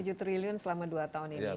jadi rp tujuh triliun selama dua tahun ini